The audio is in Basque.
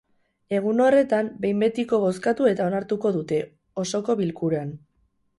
Egun horretan, behin betiko bozkatu eta onartuko dute, osoko bilkuran.